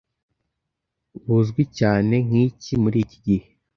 buzwi cyane nkiki muri iki gihe